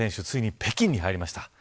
ついに北京に入りました。